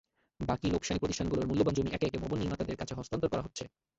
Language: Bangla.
বাকি লোকসানি প্রতিষ্ঠানগুলোর মূল্যবান জমি একে একে ভবন নির্মাতাদের কাছে হস্তান্তর করা হচ্ছে।